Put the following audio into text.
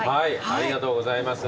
ありがとうございます。